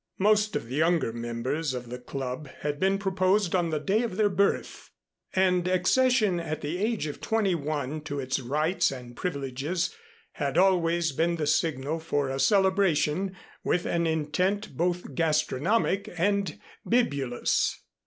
Most of the younger members of the Club had been proposed on the day of their birth, and accession at the age of twenty one to its rights and privileges had always been the signal for a celebration with an intent both gastronomic and bibulous.